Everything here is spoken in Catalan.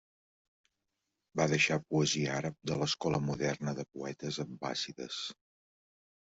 Va deixar poesia àrab de l'escola moderna de poetes abbàssides.